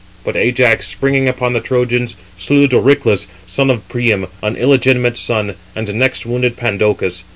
But Ajax, springing upon the Trojans, slew Doryclus, son of Priam, an illegitimate son; and next wounded Pandocus.